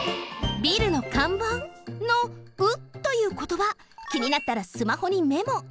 ビルのかんばんの「う」ということばきになったらスマホにメモ。